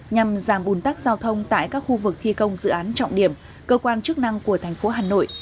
nhằm giảm bùn tắc giao thông tại các khu vực thi công dự án trọng điểm cơ quan chức năng của thành phố hà nội